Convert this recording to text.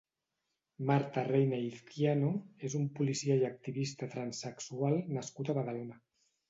Marta Reina Izquiano és un policia i activista transexual nascut a Badalona.